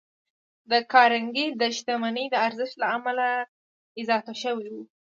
د کارنګي د شتمنۍ د ارزښت له امله اضافه شوي وو.